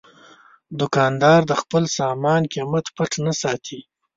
دوکاندار د خپل سامان قیمت پټ نه ساتي.